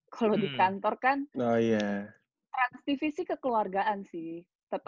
kalau di kantor kan trans tv sih kekeluargaan sih